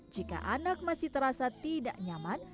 jika anak masih terasa tidak nyaman